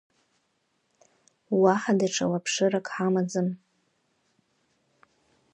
Уаҳа даҽа лаԥшырак ҳамаӡам.